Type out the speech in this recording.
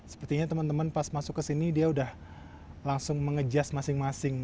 sepertinya teman teman pas masuk ke sini dia udah langsung mengejas masing masing